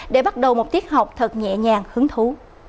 để bắt đầu một tiết học thật nhẹ nhàng hứng thú